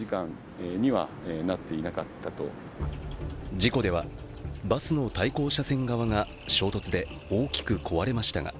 事故では、バスの対向車線側が、衝突で大きく壊れました。